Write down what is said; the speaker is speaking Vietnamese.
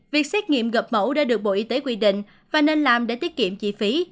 việc xét nghiệm gập mẫu đã được bộ y tế quy định và nên làm để tiết kiệm chi phí